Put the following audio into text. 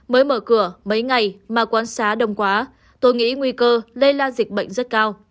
mới mở cửa mấy ngày mà quán xá đông quá tôi nghĩ nguy cơ lây lan dịch bệnh rất cao